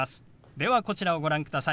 ではこちらをご覧ください。